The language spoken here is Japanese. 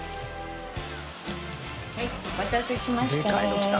はいお待たせしました。